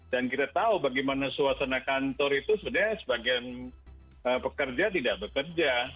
dan kita tahu bagaimana suasana kantor itu sebenarnya sebagian pekerja tidak bekerja